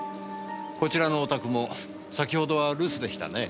こちらのお宅も先ほどは留守でしたね。